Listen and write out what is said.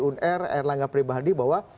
unr erlangga pribadi bahwa